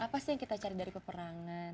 apa sih yang kita cari dari peperangan